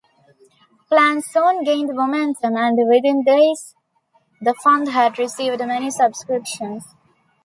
Plans soon gained momentum, and within days, the fund had received many subscriptions.